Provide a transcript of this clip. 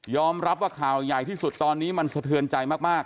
รับว่าข่าวใหญ่ที่สุดตอนนี้มันสะเทือนใจมาก